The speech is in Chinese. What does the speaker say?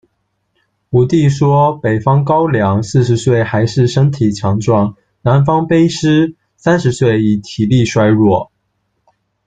武帝说：「北方高凉，四十岁还是身体强壮，南方卑湿，三十岁已经体力衰弱。